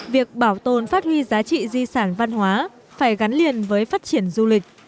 việc bảo tồn phát huy giá trị di sản văn hóa phải gắn liền với phát triển du lịch